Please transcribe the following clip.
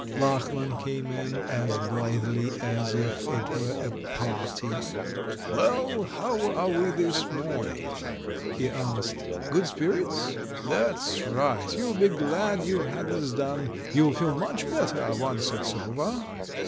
Lachlan came in, as blithely as if it were a party. "Well, how are we this morning?" he asked. "Good spirits? That's right! You'll be glad you've had this done — you'll feel much bet ter, once it's over.